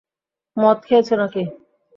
মদ খেয়েছ নাকি?